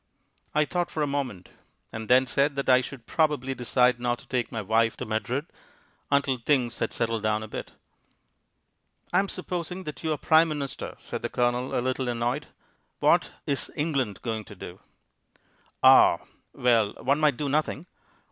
I thought for a moment, and then said that I should probably decide not to take my wife to Madrid until things had settled down a bit. "I'm supposing that you're Prime Minister," said the Colonel, a little annoyed. "What is England going to do?" "Ah!... Well, one might do nothing.